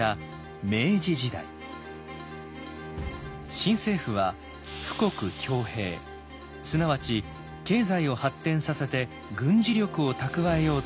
新政府は「富国強兵」すなわち経済を発展させて軍事力を蓄えようとします。